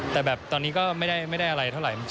แต่แบบตอนนี้ก็ไม่ได้อะไรเท่าไหร่